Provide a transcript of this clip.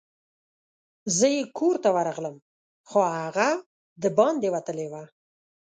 زه یې کور ته ورغلم، خو هغه دباندي وتلی وو.